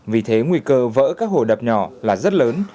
vì thế nguy cơ vỡ các hồ đập nhỏ là rất lớn